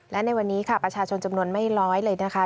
และในวันนี้ค่ะประชาชนจำนวนไม่น้อยเลยนะคะ